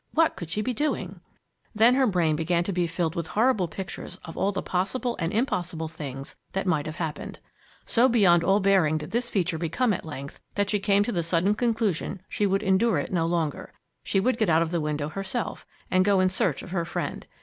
What could she be doing? Then her brain began to be filled with horrible pictures of all the possible and impossible things that might have happened. So beyond all bearing did this feature become at length that she came to the sudden conclusion she would endure it no longer. She would get out of the window, herself, and go in search of her friend.